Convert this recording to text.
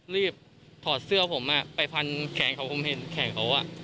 ถอดเสื้อผมไปพันแขนเขาผมเห็นแขนเขา